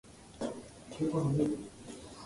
Newton Hall sits outside Durham City Centre.